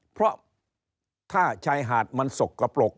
เพราะถ้าชายหาดมันสกปรก